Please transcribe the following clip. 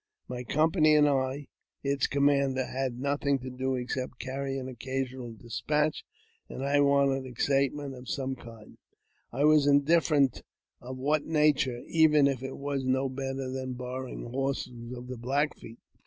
My company and I, its commander, had nothing to do except to carry an occasional despatch, and I wanted excitement of some kind —■ I was indifferent of what nature, even if it was no better than borrowing horses of the Black Feet.